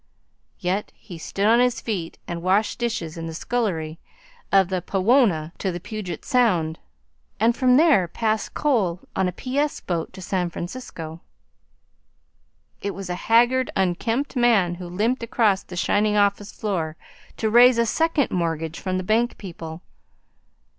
Yet he stood on his feet and washed dishes in the scullery of the PAWONA to the Puget Sound, and from there passed coal on a P. S. boat to San Francisco. It was a haggard, unkempt man who limped across the shining office floor to raise a second mortgage from the bank people.